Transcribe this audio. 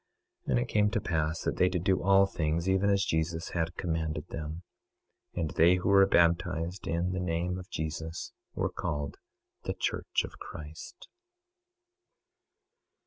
26:20 And it came to pass that they did do all things even as Jesus had commanded them. 26:21 And they who were baptized in the name of Jesus were called the church of Christ.